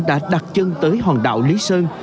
đã đặt chân tới hòn đảo lý sơn